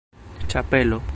ĉapelo